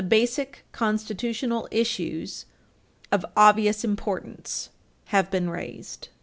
Basic constitutional issues of obvious importance have been raised.